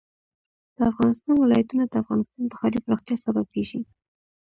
د افغانستان ولايتونه د افغانستان د ښاري پراختیا سبب کېږي.